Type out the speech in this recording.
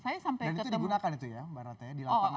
dan itu digunakan itu ya mbak rata ya di lapangan